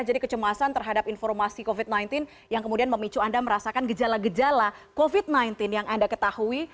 jadi kecemasan terhadap informasi covid sembilan belas yang kemudian memicu anda merasakan gejala gejala covid sembilan belas yang anda ketahui